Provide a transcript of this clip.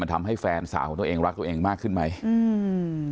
ทำให้แฟนสาวของตัวเองรักตัวเองมากขึ้นไหมอืม